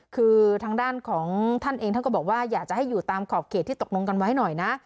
คือทางด้านของท่านเองท่านก็บอกว่าอยากจะให้อยู่ตามขอบเขตที่ตกลงกันไว้หน่อยนะ